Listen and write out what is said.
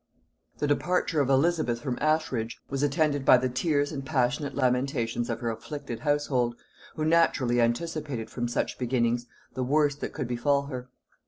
The departure of Elizabeth from Ashridge was attended by the tears and passionate lamentations of her afflicted household, who naturally anticipated from such beginnings the worst that could befal her.